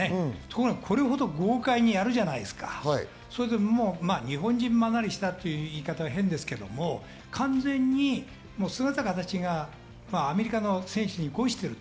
これほど豪快にあるじゃないですか、日本人離れしたという言い方は変ですけれど、完全に姿形がアメリカの選手を超している。